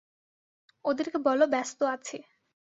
ওদেরকে বলো ব্যস্ত আছি।